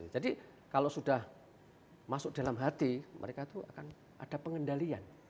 jadi kalau sudah masuk dalam hati mereka itu akan ada pengendalian